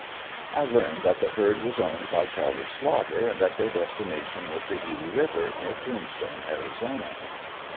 I learned that the herd was owned by Charlie Slaughter and that their destination was the Heeley River, near Tombstone, Arizona.